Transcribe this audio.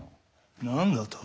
何だと？